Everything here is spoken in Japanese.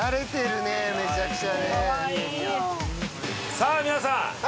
さあ皆さん。